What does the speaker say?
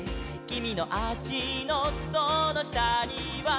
「きみのあしのそのしたには」